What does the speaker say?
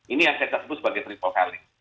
ini yang saya sebut sebagai triple calling